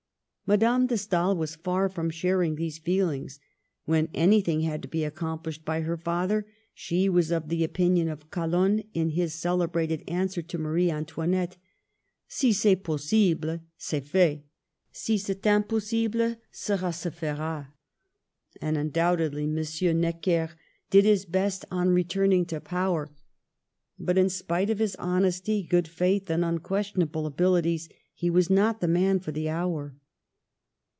Madame de Stael was far from sharing these feelings. When anything had to be accom plished by her father, she was of the opinion of Calonne, in his celebrated answer to Marie An toinette — "Si cest possible, c'est fait ; si c'est impossible, cela se fera" And undoubtedly M. byVjO( NECKER'S SHORT LIVED TRIUMPH. 39 Necker did his best on returning to power ; but, in spite of his honesty, good faith, and unques tionable abilities, he was not the man for the hour.